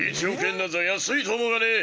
なぞ安いと思え。